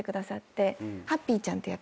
ハッピーちゃんって役だった。